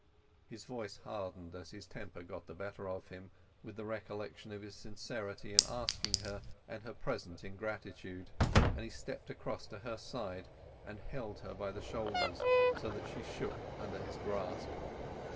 His voice hardened as his temper got the better of him with the recollection of his sincerity in asking her and her present ingratitude, and he stepped across to her side and held her by the shoulders, so that she shook under his grasp.